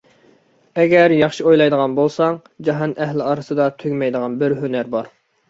ئەگەر ياخشى ئويلايدىغان بولساڭ، جاھان ئەھلى ئارىسىدا تۈگىمەيدىغان بىر ھۈنەر بار.